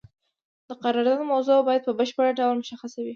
د قرارداد موضوع باید په بشپړ ډول مشخصه وي.